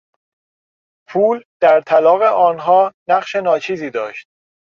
پول در طلاق آنها نقش ناچیزی داشت.